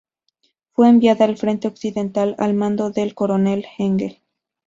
Fue enviada al Frente Occidental al mando del coronel Engel.